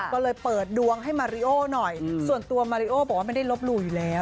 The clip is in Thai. ก็เลยเปิดดวงให้มาริโอหน่อยส่วนตัวมาริโอบอกว่าไม่ได้ลบหลู่อยู่แล้ว